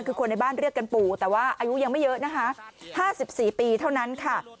คือคนในบ้านเรียกกันปู่แต่ว่าอายุยังไม่เยอะนะคะ๕๔ปีเท่านั้นค่ะ